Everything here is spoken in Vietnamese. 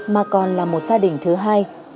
mà còn là một gia đình thứ hai